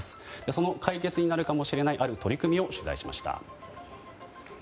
その解決になるかもしれないある取り組みを取材しました。